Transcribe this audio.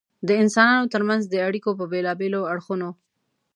د انسانانو تر منځ د اړیکو په بېلابېلو اړخونو.